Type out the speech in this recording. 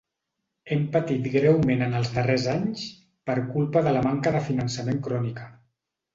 Hem patit greument en els darrers anys per culpa de la manca de finançament crònica.